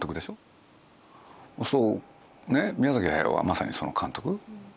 そうするとねっ宮崎駿はまさにその監督。